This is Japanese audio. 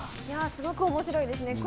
すごく面白いですね。